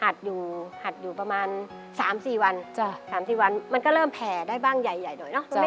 หัดอยู่ประมาณ๓๔วัน๓๔วันมันก็เริ่มแผ่ได้บ้างใหญ่หน่อยเนอะ